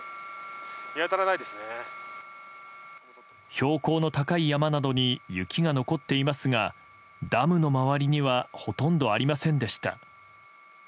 標高の高い山などに雪が残っていますがダムの周りにはほとんどありませんでした。